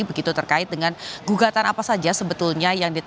begitu terkait dengan gugatan apa saja sebetulnya yang